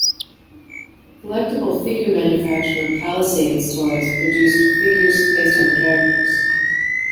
Collectible figure manufacturer Palisades Toys produced figures based on the characters.